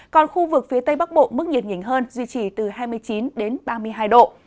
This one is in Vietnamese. còn khu vực phía tây bắc bộ mức nhiệt nhỉnh hơn duy trì từ hai mươi chín đến ba mươi hai độ